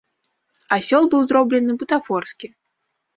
Асёл быў зроблены бутафорскі.